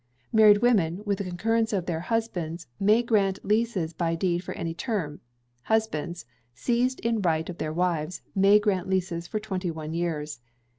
Married Women, with the concurrence of their husbands, may grant leases by deed for any term. Husbands, seised in right of their wives, may grant leases for twenty one years.